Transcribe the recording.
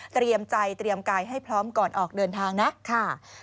เตรียมใจเตรียมกายให้พร้อมก่อนออกเดินทางนะค่ะ